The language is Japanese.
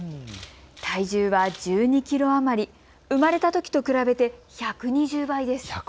体重は１２キロ余り、生まれたときと比べて１２０倍です。